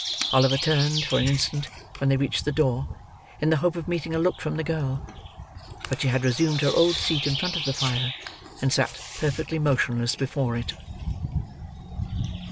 Oliver turned, for an instant, when they reached the door, in the hope of meeting a look from the girl. But she had resumed her old seat in front of the fire, and sat, perfectly motionless before it.